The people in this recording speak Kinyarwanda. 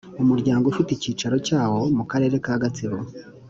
Umuryango ufite icyicaro cyawo mu Karere ka Gasabo